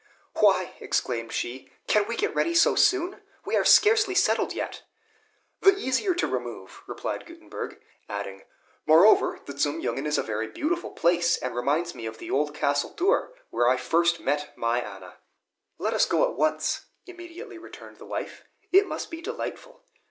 "Why," exclaimed she, "can we get ready so soon? We are scarcely settled yet." "The easier to remove," replied Gutenberg; adding, "moreover, the Zum Jungen is a very beautiful place, and reminds me of the old castle Thür, where I first met my Anna!" "Let us go at once," immediately returned the wife; "it must be delightful.